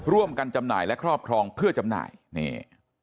จำหน่ายและครอบครองเพื่อจำหน่ายนี่